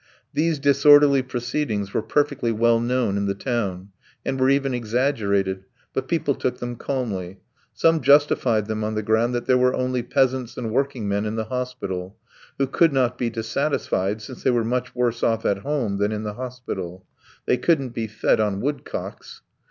These disorderly proceedings were perfectly well known in the town, and were even exaggerated, but people took them calmly; some justified them on the ground that there were only peasants and working men in the hospital, who could not be dissatisfied, since they were much worse off at home than in the hospital they couldn't be fed on woodcocks!